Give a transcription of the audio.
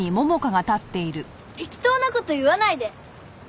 適当な事言わないで。